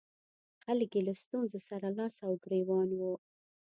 خلک یې له ستونزو سره لاس او ګرېوان وو.